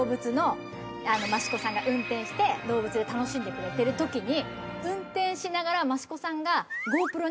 益子さんが運転して動物で楽しんでくれてるときに。